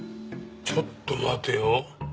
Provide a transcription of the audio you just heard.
ちょっと待てよ。